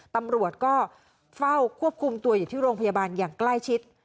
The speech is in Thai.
ตำรวจก็เฝ้าควบคุมตัวอยู่ที่โรงพยาบาลอย่างใกล้ชิด